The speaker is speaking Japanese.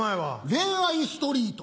「恋愛ストリート」。